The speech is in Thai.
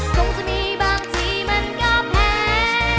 คงจะมีบางทีมันก็แพ้